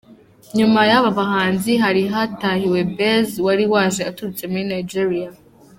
Nyuma y’aba bahanzi hari hatahiwe Bez wari waje aturutse muri Nigeria.